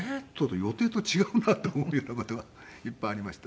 予定と違うなと思うような事がいっぱいありました。